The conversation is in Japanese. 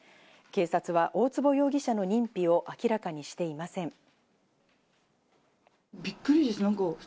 警察は大坪容疑者の認否を明らかにしていません。